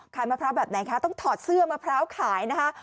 มะพร้าวแบบไหนคะต้องถอดเสื้อมะพร้าวขายนะคะ